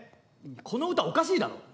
この歌おかしいだろ。